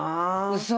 嘘！